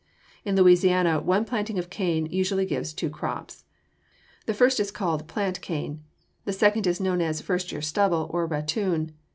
In Louisiana one planting of cane usually gives two crops. The first is called plant cane; the second is known as first year stubble, or ratoon.